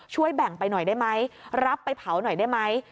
แบ่งไปหน่อยได้ไหมรับไปเผาหน่อยได้ไหม